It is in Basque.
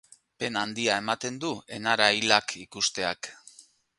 Pena handia ematen du enara hilak ikusteak.